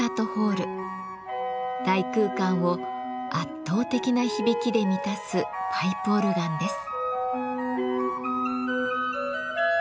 大空間を圧倒的な響きで満たすパイプオルガンです。